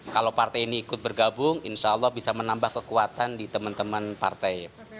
kalau partai ini ikut bergabung insya allah bisa menambah kekuatan di teman teman partai